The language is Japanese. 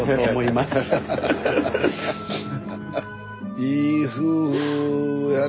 いい夫婦やね。